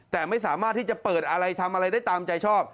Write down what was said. แต่ไม่สามารถที่จะเปิดอะไรทำอะไรได้ตามใจชอบ